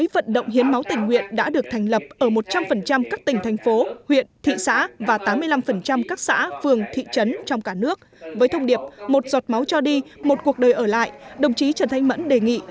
với thông điệp một giọt máu cho đi một cuộc đời ở lại đồng chí trần thanh mẫn đề nghị